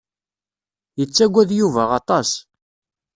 Yettagad Yuba aṭas.